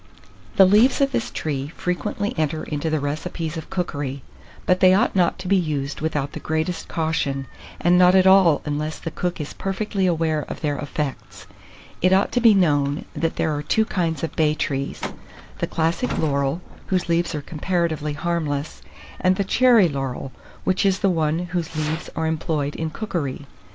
The leaves of this tree frequently enter into the recipes of cookery; but they ought not to be used without the greatest caution, and not at all unless the cook is perfectly aware of their effects. It ought to be known, that there are two kinds of bay trees, the Classic laurel, whose leaves are comparatively harmless, and the Cherry laurel, which is the one whose leaves are employed in cookery.